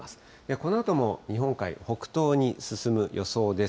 このあとも日本海、北東に進む予想です。